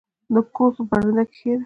• د کور په برنډه کښېنه.